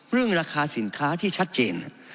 เรื่องราคาสินค้าที่ชัดเจน